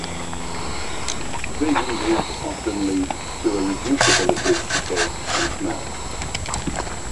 These injuries often lead to a reduced ability to taste and smell.